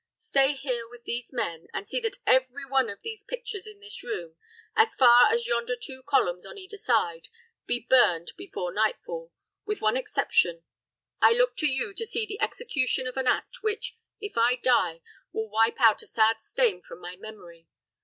Stay here with these men, and see that every one of the pictures in this room, as far as yonder two columns on either side, be burned before nightfall, with one exception. I look to you to see the execution of an act which, if I die, will wipe out a sad stain from my memory.